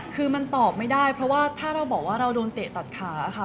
คือมันตอบไม่ได้เพราะว่าถ้าเราบอกว่าเราโดนเตะตัดขาค่ะ